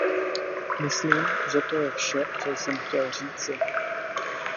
Myslím, že to je vše, co jsem chtěl říci.